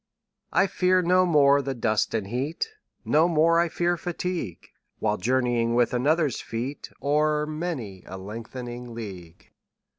I fear no more the dust and heat, 25 No more I fear fatigue, While journeying with another's feet O'er many a lengthening league.